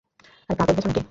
আরে পাগল হয়েছ নাকি?